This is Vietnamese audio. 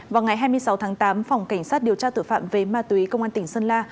vào ngày hai mươi sáu tháng tám phòng cảnh sát điều tra tội phạm về ma túy công an tỉnh sơn la